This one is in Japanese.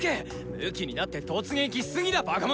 ムキになって突撃しすぎだバカ者。